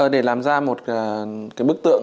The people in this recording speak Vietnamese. để làm ra một bức tượng